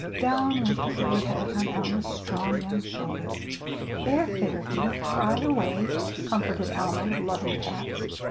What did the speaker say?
Down went the gray head on Alma's strong young shoulder. "There, there, dear, cry away," comforted Alma, with loving pats.